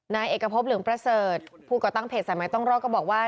นายเอกพบเหลืองประเสริฐผู้ก่อตั้งเพจสายไม้ต้องรอดก็บอกว่า